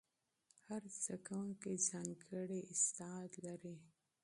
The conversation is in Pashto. هر زده کوونکی ځانګړی استعداد لري.